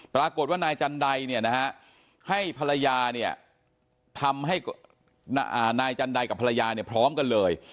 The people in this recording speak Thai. ปรากฏว่านายจันไดให้ภรรยาทำให้นายจันไดกับภรรยาพร้อมกันเลย